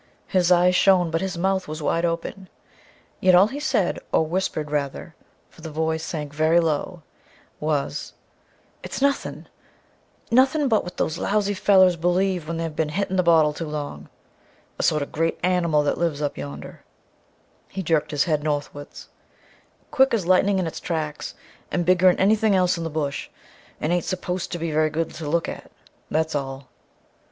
His eyes shone, but his mouth was wide open. Yet all he said, or whispered rather, for his voice sank very low, was: "It's nuthin' nuthin' but what those lousy fellers believe when they've bin hittin' the bottle too long a sort of great animal that lives up yonder," he jerked his head northwards, "quick as lightning in its tracks, an' bigger'n anything else in the Bush, an' ain't supposed to be very good to look at that's all!"